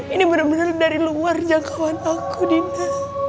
ini benar benar dari luar jangkauan aku dita